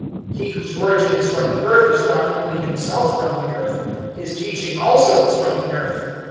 He whose origin is from the earth is not only himself from the earth, his teaching also is from the earth.